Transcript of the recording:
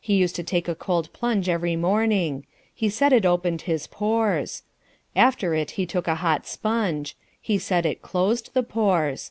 He used to take a cold plunge every morning. He said it opened his pores. After it he took a hot sponge. He said it closed the pores.